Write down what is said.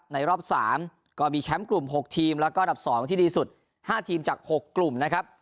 ในรอบ๓ก็มีแชมป์กลุ่ม๖ทีมแล้วก็อันดับ๒ที่ดีสุด๕ทีมจาก๖กลุ่มนะครับ